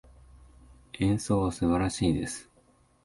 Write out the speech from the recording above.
演奏は素晴らしいです。